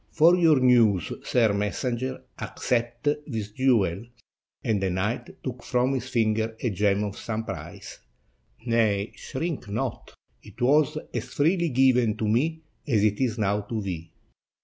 For your news, sir messenger, accept this jewel," and the knight took from his finger a gem of some price. "Nay, shrink not; it was as freely given to me as it is now to thee."